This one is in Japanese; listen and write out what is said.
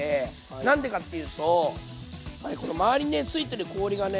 何でかって言うとこの周りについてる氷がね